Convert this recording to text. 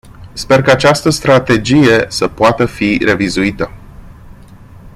Sper ca această strategie să poată fi revizuită.